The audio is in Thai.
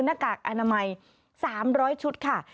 กากอนามัย๓๐๐ชุดค่ะ